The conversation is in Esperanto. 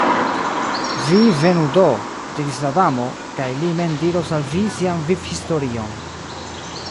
"Vi venu, do," diris la Damo, "kaj li mem diros al vi sian vivhistorion."